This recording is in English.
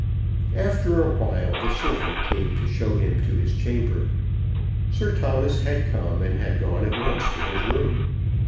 After a while the servant came to show him to his chamber. Sir Thomas had come and had gone at once to his room.